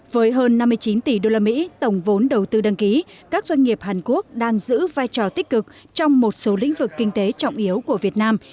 với hơn năm mươi chín tỷ usd tổng vốn đầu tư đăng ký các doanh nghiệp hàn quốc đang giữ vai trò tích cực trong một số lĩnh vực kinh tế trọng yếu của việt nam